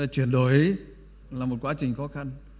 chuyển đổi là một quá trình khó khăn